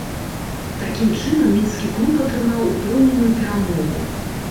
Такім чынам, мінскі клуб атрымаў упэўненую перамогу.